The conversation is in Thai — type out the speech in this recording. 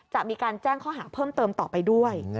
จะมีการแจ้งข้อหาเพิ่มเติมต่อไปด้วย